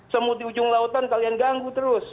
semut di ujung lautan kalian ganggu terus